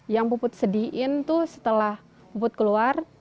yang puput sedihin tuh setelah puput keluar